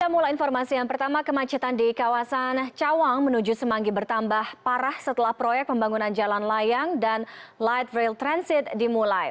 kita mulai informasi yang pertama kemacetan di kawasan cawang menuju semanggi bertambah parah setelah proyek pembangunan jalan layang dan light rail transit dimulai